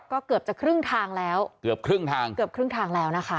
ก็เกือบจะครึ่งทางแล้วเกือบครึ่งทางเกือบครึ่งทางแล้วนะคะ